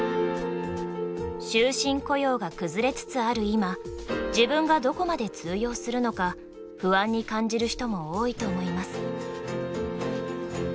終身雇用が崩れつつある今自分がどこまで通用するのか不安に感じる人も多いと思います。